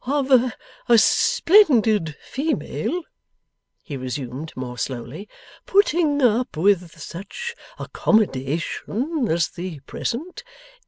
' of a splendid female,' he resumed more slowly, 'putting up with such accommodation as the present!